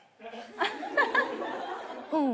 うん。